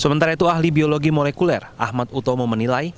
untuk ahli biologi molekuler ahmad utomo menilai